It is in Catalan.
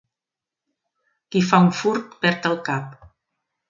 Qui fa un furt perd el cap.